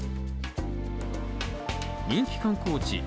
人気観光地